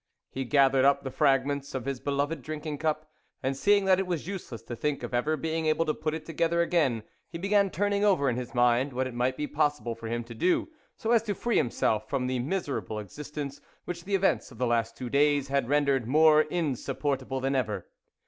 He gathered up the fragments of his beloved drinking cup, and seeing that it was useless to think of ever being able to put it together again, he began turning over in his mind what it might be possible for him to do, so as to free himself from the miserable existence which the events of the last two days had rendered more insupportable than ever.